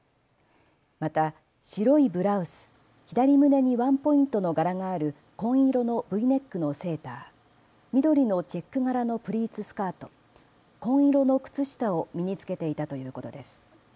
また白いブラウス、左胸にワンポイントの柄がある紺色のＶネックのセーター、緑のチェック柄のプリーツスカート、紺色の靴下を身に着けていたということです。